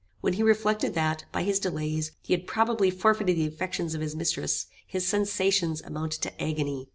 When he reflected that, by his delays, he had probably forfeited the affections of his mistress, his sensations amounted to agony.